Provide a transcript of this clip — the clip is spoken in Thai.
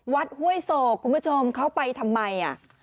วัดห้วยโศกคุณผู้ชมเข้าไปทำไม